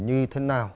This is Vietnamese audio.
như thế nào